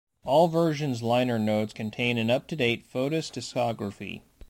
All versions' liner notes contain an up-to-date Foetus discography.